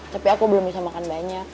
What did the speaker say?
tapi aku belum bisa makan banyak